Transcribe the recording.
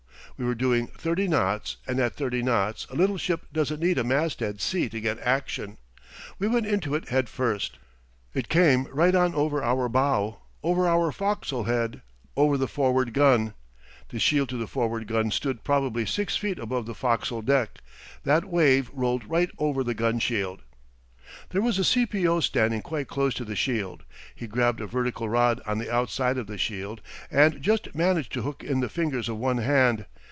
We were doing thirty knots and at thirty knots a little ship doesn't need a masthead sea to get action. We went into it head first. It came right on over our bow, over our foc'sle head, over the forward gun. The shield to the forward gun stood probably six feet above the foc'sle deck. That wave rolled right over the gun shield. There was a C. P. O. standing quite close to the shield. He grabbed a vertical rod on the outside of the shield, and just managed to hook in the fingers of one hand.